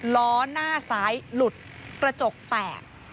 ล้อหน้าซ้ายหลุดกระจกแตก